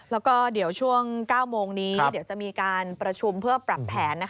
แล้วก็เดี๋ยวช่วง๙โมงนี้เดี๋ยวจะมีการประชุมเพื่อปรับแผน